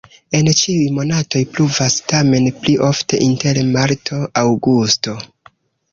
En ĉiuj monatoj pluvas, tamen pli ofte inter marto-aŭgusto.